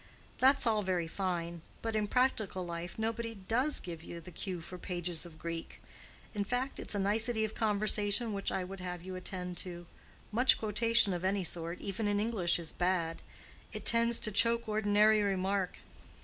That's all very fine, but in practical life nobody does give you the cue for pages of Greek. In fact, it's a nicety of conversation which I would have you attend to—much quotation of any sort, even in English is bad. It tends to choke ordinary remark.